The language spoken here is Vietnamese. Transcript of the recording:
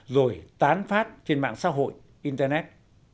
rồi tán phát trên mạng xã hội internet